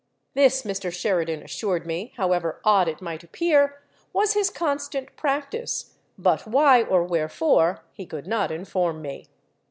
This, Mr. Sheridan assured me, however odd it might appear, was his constant practice, but why or wherefore he could not inform me."